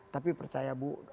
tapi percaya bu